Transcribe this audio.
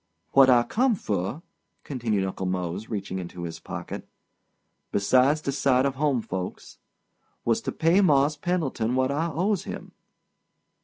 "What I come fur," continued Uncle Mose, reaching into his pocket—"besides de sight of home folks—was to pay Mars' Pendleton what I owes him.